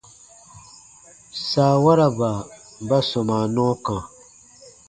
Saawaraba ba sɔmaa nɔɔ kã.